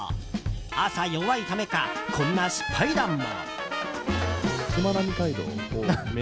朝弱いためか、こんな失敗談も。